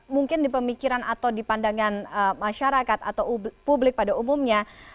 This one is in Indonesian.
mungkin di pemikiran atau di pandangan masyarakat atau publik pada umumnya